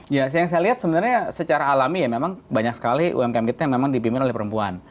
ya yang saya lihat sebenarnya secara alami ya memang banyak sekali umkm kita yang memang dipimpin oleh perempuan